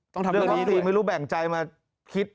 ต้องทำด้วยไม่รู้แบ่งใจมาคิด